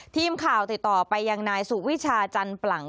ทีมข่าวติดต่อไปยังนายสุวิชาจันปลัง